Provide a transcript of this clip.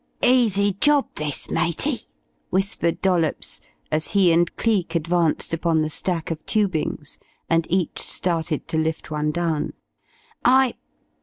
"Easy job this, matey," whispered Dollops as he and Cleek advanced upon the stack of tubings and each started to lift one down. "I